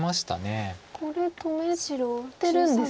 これ止めてるんですね。